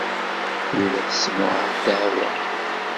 Tella tessemɣar ddeɛwa.